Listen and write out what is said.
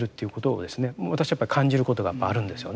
私やっぱり感じることがやっぱあるんですよね。